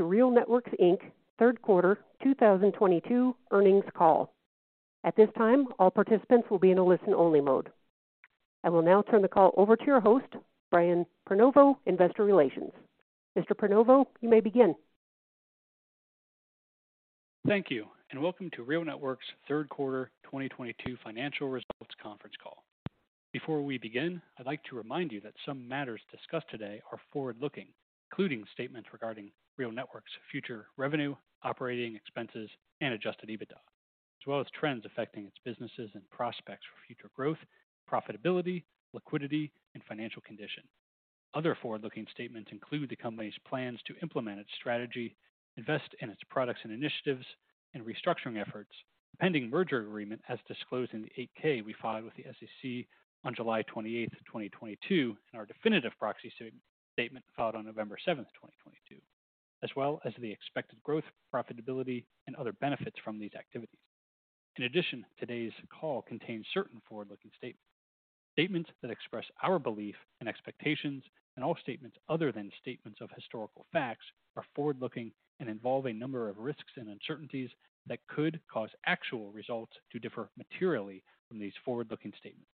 Welcome to RealNetworks, Inc.'s third quarter 2022 earnings call. At this time, all participants will be in a listen-only mode. I will now turn the call over to your host, Brian Prenoveau, Investor Relations. Mr. Prenoveau, you may begin. Thank you. Welcome to RealNetworks' third quarter 2022 financial results conference call. Before we begin, I'd like to remind you that some matters discussed today are forward-looking, including statements regarding RealNetworks' future revenue, operating expenses, and adjusted EBITDA, as well as trends affecting its businesses and prospects for future growth, profitability, liquidity, and financial condition. Other forward-looking statements include the company's plans to implement its strategy, invest in its products and initiatives and restructuring efforts. The pending merger agreement, as disclosed in the 8-K we filed with the SEC on July 28th, 2022, and our definitive proxy statement filed on November 7th, 2022, as well as the expected growth, profitability, and other benefits from these activities. Today's call contains certain forward-looking statements. Statements that express our belief and expectations. All statements other than statements of historical facts, are forward-looking and involve a number of risks and uncertainties that could cause actual results to differ materially from these forward-looking statements.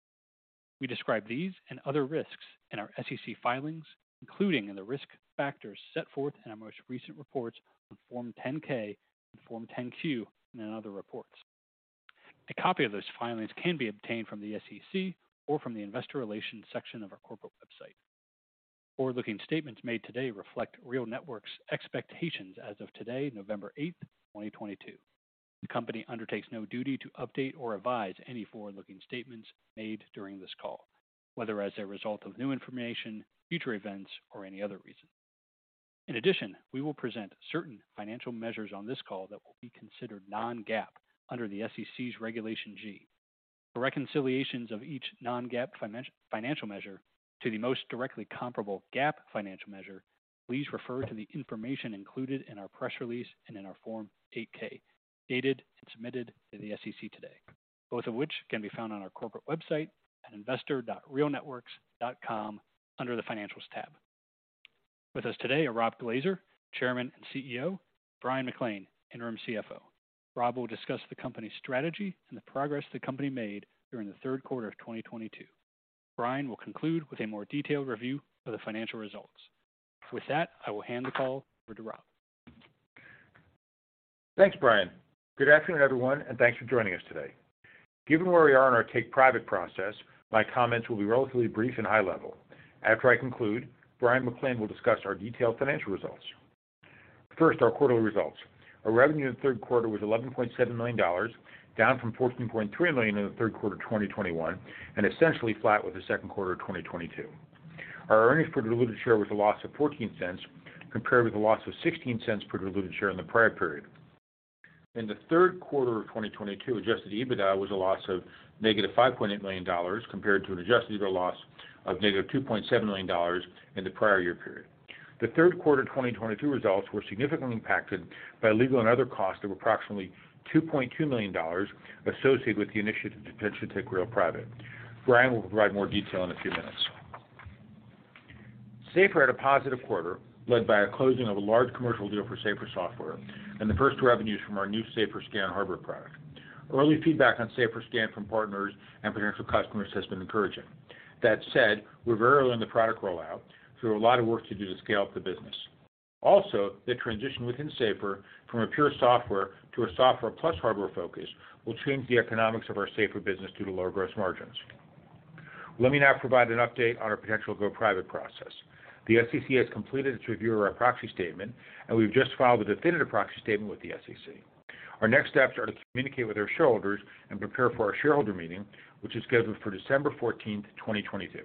We describe these and other risks in our SEC filings, including in the risk factors set forth in our most recent reports on Form 10-K and Form 10-Q, and in other reports. A copy of those filings can be obtained from the SEC or from the investor relations section of our corporate website. Forward-looking statements made today reflect RealNetworks' expectations as of today, November 8th, 2022. The company undertakes no duty to update or revise any forward-looking statements made during this call, whether as a result of new information, future events, or any other reason. We will present certain financial measures on this call that will be considered non-GAAP under the SEC's Regulation G. For reconciliations of each non-GAAP financial measure to the most directly comparable GAAP financial measure, please refer to the information included in our press release and in our Form 8-K, dated and submitted to the SEC today, both of which can be found on our corporate website at investor.realnetworks.com under the Financials tab. With us today are Rob Glaser, Chairman and CEO, and Brian McClain, Interim CFO. Rob will discuss the company's strategy and the progress the company made during the third quarter of 2022. Brian will conclude with a more detailed review of the financial results. I will hand the call over to Rob. Thanks, Brian. Good afternoon, everyone, and thanks for joining us today. Given where we are in our take-private process, my comments will be relatively brief and high-level. After I conclude, Brian McClain will discuss our detailed financial results. First, our quarterly results. Our revenue in the third quarter was $11.7 million, down from $14.3 million in the third quarter of 2021, and essentially flat with the second quarter of 2022. Our earnings per diluted share was a loss of $0.14, compared with a loss of $0.16 per diluted share in the prior period. In the third quarter of 2022, adjusted EBITDA was a loss of -$5.8 million, compared to an adjusted EBITDA loss of -$2.7 million in the prior year period. The third quarter 2022 results were significantly impacted by legal and other costs of approximately $2.2 million associated with the initiative to potentially take Real private. Brian will provide more detail in a few minutes. SAFR had a positive quarter, led by a closing of a large commercial deal for SAFR software and the first revenues from our new SAFR SCAN hardware product. Early feedback on SAFR SCAN from partners and potential customers has been encouraging. That said, we're very early in the product rollout, a lot of work to do to scale up the business. Also, the transition within SAFR from a pure software to a software plus hardware focus will change the economics of our SAFR business due to lower gross margins. Let me now provide an update on our potential go private process. The SEC has completed its review of our proxy statement. We've just filed a definitive proxy statement with the SEC. Our next steps are to communicate with our shareholders and prepare for our shareholder meeting, which is scheduled for December 14th, 2022.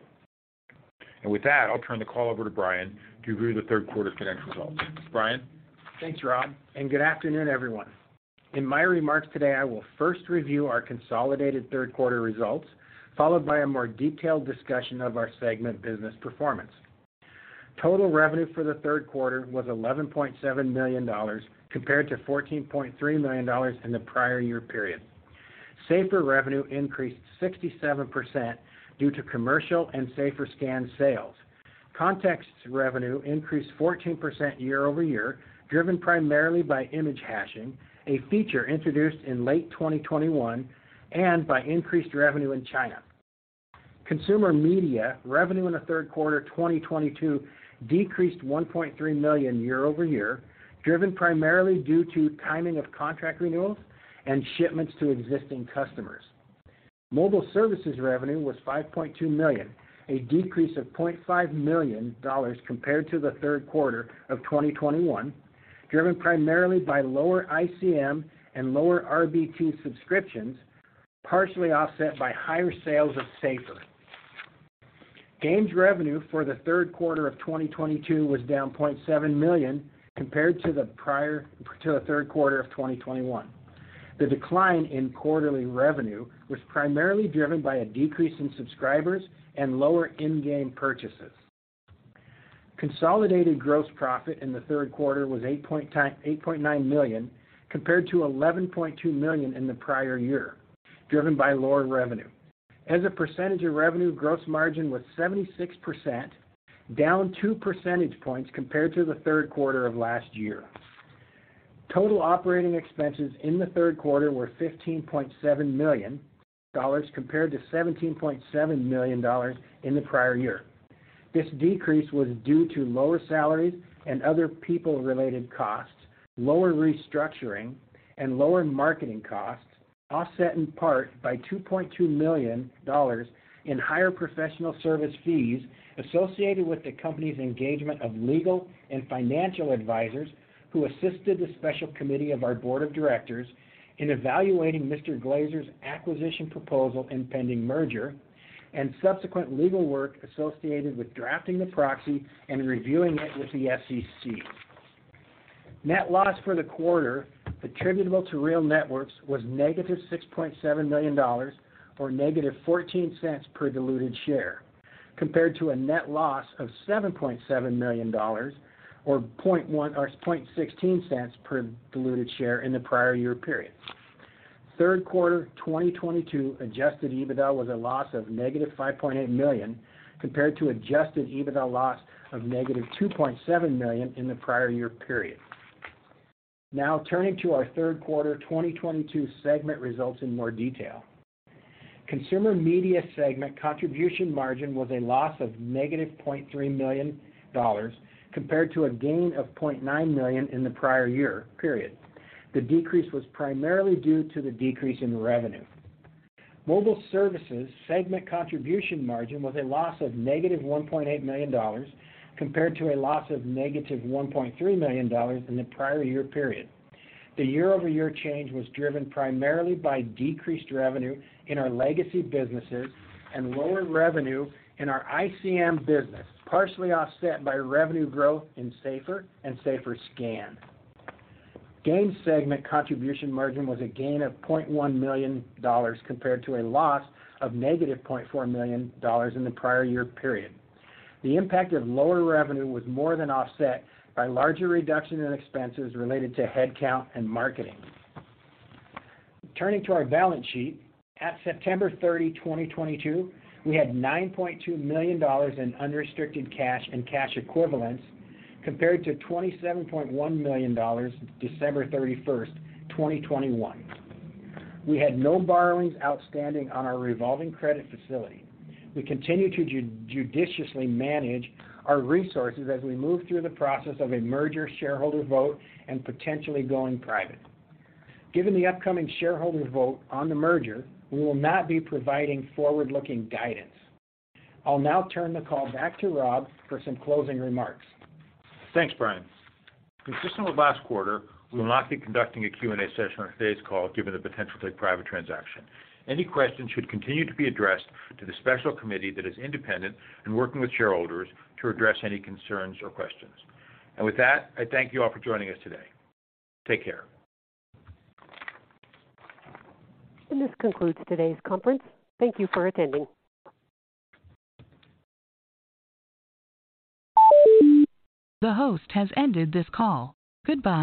With that, I'll turn the call over to Brian to review the third quarter financial results. Brian? Thanks, Rob. Good afternoon, everyone. In my remarks today, I will first review our consolidated third quarter results, followed by a more detailed discussion of our segment business performance. Total revenue for the third quarter was $11.7 million, compared to $14.3 million in the prior year period. SAFR revenue increased 67% due to commercial and SAFR SCAN sales. KONTXT's revenue increased 14% year-over-year, driven primarily by image hashing, a feature introduced in late 2021, by increased revenue in China. Consumer Media revenue in the third quarter 2022 decreased $1.3 million year-over-year, driven primarily due to timing of contract renewals and shipments to existing customers. Mobile Services revenue was $5.2 million, a decrease of $0.5 million compared to the third quarter of 2021, driven primarily by lower ICM and lower RBT subscriptions, partially offset by higher sales of SAFR. Games revenue for the third quarter of 2022 was down $0.7 million compared to the third quarter of 2021. The decline in quarterly revenue was primarily driven by a decrease in subscribers and lower in-game purchases. Consolidated gross profit in the third quarter was $8.9 million, compared to $11.2 million in the prior year, driven by lower revenue. As a percentage of revenue, gross margin was 76%, down two percentage points compared to the third quarter of last year. Total operating expenses in the third quarter were $15.7 million compared to $17.7 million in the prior year. This decrease was due to lower salaries and other people-related costs, lower restructuring, and lower marketing costs, offset in part by $2.2 million in higher professional service fees associated with the company's engagement of legal and financial advisors who assisted the special committee of our board of directors in evaluating Mr. Glaser's acquisition proposal and pending merger, and subsequent legal work associated with drafting the proxy and reviewing it with the SEC. Net loss for the quarter attributable to RealNetworks was negative $6.7 million, or negative $0.14 per diluted share, compared to a net loss of $7.7 million, or $0.16 per diluted share in the prior year period. Third quarter 2022 adjusted EBITDA was a loss of negative $5.8 million, compared to adjusted EBITDA loss of negative $2.7 million in the prior year period. Turning to our third quarter 2022 segment results in more detail. Consumer Media segment contribution margin was a loss of negative $0.3 million, compared to a gain of $0.9 million in the prior year period. The decrease was primarily due to the decrease in revenue. Mobile Services segment contribution margin was a loss of negative $1.8 million, compared to a loss of negative $1.3 million in the prior year period. The year-over-year change was driven primarily by decreased revenue in our legacy businesses and lower revenue in our ICM business, partially offset by revenue growth in SAFR and SAFR SCAN. Games segment contribution margin was a gain of $0.1 million compared to a loss of negative $0.4 million in the prior year period. The impact of lower revenue was more than offset by larger reduction in expenses related to headcount and marketing. Turning to our balance sheet. At September 30, 2022, we had $9.2 million in unrestricted cash and cash equivalents, compared to $27.1 million, December 31, 2021. We had no borrowings outstanding on our revolving credit facility. We continue to judiciously manage our resources as we move through the process of a merger shareholder vote and potentially going private. Given the upcoming shareholder vote on the merger, we will not be providing forward-looking guidance. I'll now turn the call back to Rob for some closing remarks. Thanks, Brian. Consistent with last quarter, we will not be conducting a Q&A session on today's call, given the potential take-private transaction. Any questions should continue to be addressed to the special committee that is independent and working with shareholders to address any concerns or questions. With that, I thank you all for joining us today. Take care. This concludes today's conference. Thank you for attending. The host has ended this call. Goodbye.